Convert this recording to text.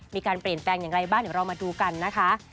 มีการเปลี่ยนแปลงอย่างไรบ้างเดี๋ยวเรามาดูกันนะคะ